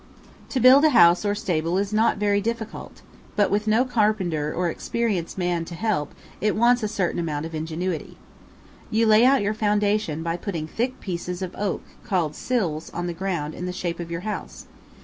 To build a house or stable is not very difficult; but with no carpenter or experienced man to help it wants a certain amount of ingenuity. You lay out your foundation by putting thick pieces of oak called "sills" on the ground in the shape of your house.